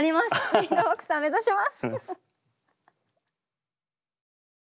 ビートボクサー目指します。